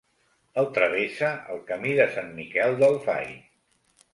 El travessa el Camí de Sant Miquel del Fai.